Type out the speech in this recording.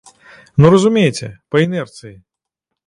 Ну, разумееце, па інэрцыі.